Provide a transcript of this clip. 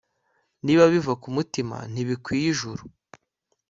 Niba biva ku mutima ntibikwiye ijuru